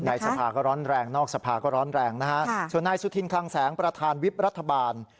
สภาก็ร้อนแรงนอกสภาก็ร้อนแรงนะฮะส่วนนายสุธินคลังแสงประธานวิบรัฐบาล